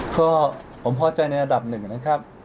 ก็ผมพอใจในระดับหนึ่งนะครับ